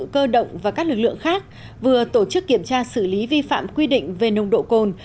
cơ động và các lực lượng khác vừa tổ chức kiểm tra xử lý vi phạm quy định về nồng độ cồn